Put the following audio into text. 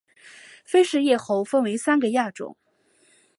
菲氏叶猴分成三个亚种